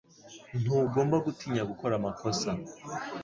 Ntugomba gutinya gukora amakosa.